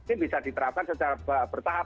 ini bisa diterapkan secara bertahap